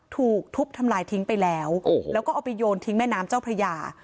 ถูกทุบทำลายทิ้งไปแล้วแล้วก็เอาไปโยนทิ้งแม่น้ำเจ้าพระยา